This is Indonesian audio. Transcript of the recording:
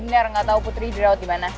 bener gak tau putri diraud dimana